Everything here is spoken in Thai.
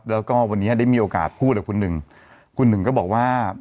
แล้วก็วันนี้ได้มีโอกาสพูดกับคุณหนึ่งคุณหนึ่งก็บอกว่า